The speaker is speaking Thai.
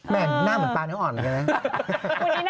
แม่หน้าเหมือนปลาเนื้ออ่อนเลยนะ